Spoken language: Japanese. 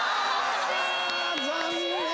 残念！